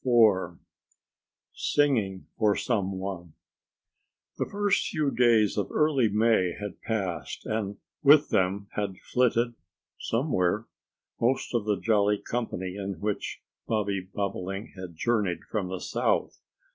IV SINGING FOR SOME ONE THE first few days of early May had passed and with them had flitted somewhere most of the jolly company in which Bobby Bobolink had journeyed from the South.